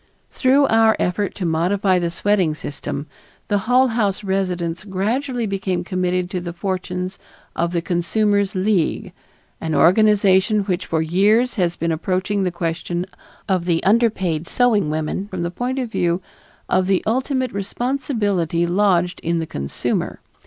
Through our efforts to modify the sweating system, the Hull House residents gradually became committed to the fortunes of the Consumers' League, an organization which for years has been approaching the question of the underpaid sewing woman from the point of view of the ultimate responsibility lodged in the consumer.